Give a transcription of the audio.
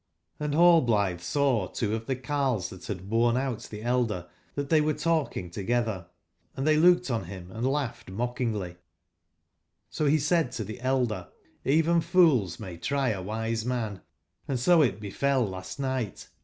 J? Hnd Hallblitbe saw two of tbe carles tbat bad borne out tbe elder, tbat tbey were talking togetber, and tbey looked on bim and laugbed mockingly; so be said to tbe elder :''Bven fools may try a wise man, and so it befel last nigbt.